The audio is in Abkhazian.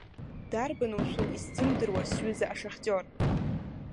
Дарбану мшәан исзымдыруа сҩыза ашахтиор?